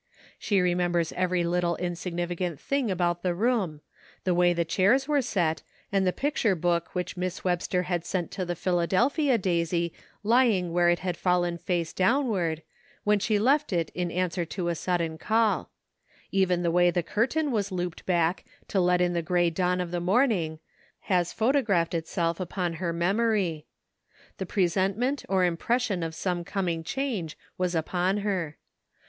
She remembers every little insignificant thing about the room — the way the chairs were set, and the picture book which Miss Webster sent to the Philadelphia Daisy, lying where it had fallen face downward, when she left it in answer to a sudden call ; even the way the cur tain was looped back to let in the gray dawn of the morning has photographed itself upon her memory. The presentment or impression of some coming change was upon her.